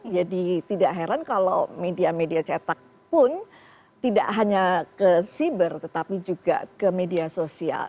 jadi tidak heran kalau media media cetak pun tidak hanya ke siber tetapi juga ke media sosial